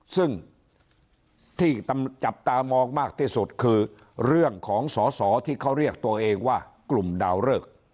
ซึ่งที่จับตามองมากที่สุดคือเรื่องของสอสอที่เขาเรียกตัวเองว่ากลุ่มดาวเริก